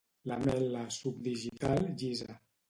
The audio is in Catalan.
Lamel·la subdigital llisa.